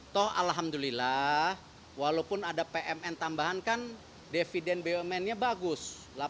toh alhamdulillah walaupun ada pmn tambahan kan dividen bumn nya bagus